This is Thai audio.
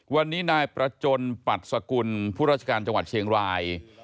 วันนี้นายประจนปรัชสกุลผู้ราชการจังหวัดเชียงราย